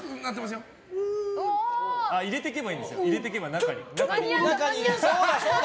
入れてけばいいんですよ、中に。